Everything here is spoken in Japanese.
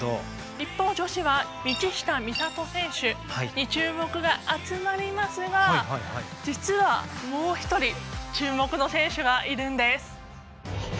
一方女子は道下美里選手に注目が集まりますが実はもう一人注目の選手がいるんです。